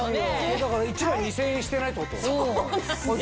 だから１枚２０００円してないってことだ。